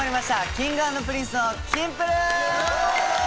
Ｋｉｎｇ＆Ｐｒｉｎｃｅの『キンプる。』！